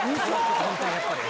本当にやっぱり。